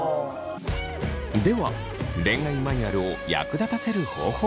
では恋愛マニュアルを役立たせる方法とは。